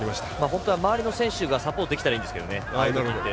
本当は周りの選手がサポートできたらいいんです。